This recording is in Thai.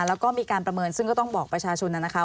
แล้วก็มีการประเมินซึ่งก็ต้องบอกประชาชนนะคะ